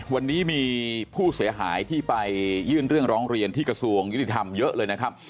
วันนี้มีผู้เสียหายที่ไปยื่นเรื่องร้องเรียนที่กระทรวงยุติธรรมเยอะเลยนะครับ